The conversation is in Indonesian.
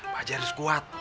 pakcik harus kuat